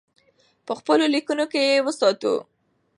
په خپلو لیکنو کې یې وساتو.